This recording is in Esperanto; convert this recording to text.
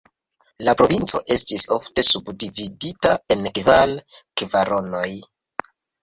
La provinco estis ofte subdividita en kvar kvaronoj.